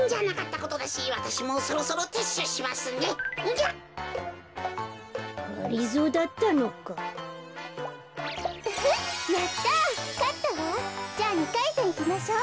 じゃあ２かいせんいきましょう。